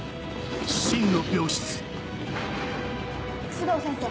須藤先生